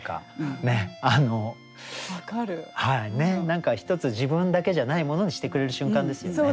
何かひとつ自分だけじゃないものにしてくれる瞬間ですよね。